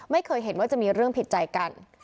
ไม่เคยเห็นว่าจะมีเรื่องผิดใจกัน